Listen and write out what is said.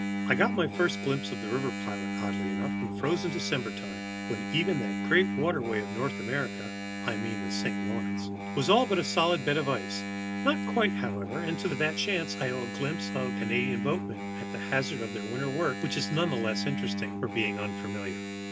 I got my first glimpse of the river pilot, oddly enough, in frozen December time, when even that great waterway of northern America I mean the St. Lawrence was all but a solid bed of ice, not quite, however, and to that chance I owed a glimpse of Canadian boatmen at the hazard of their winter work, which is none the less interesting for being unfamiliar.